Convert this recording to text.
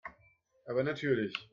Aber natürlich.